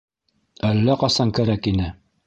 - Әллә ҡасан кәрәк ине!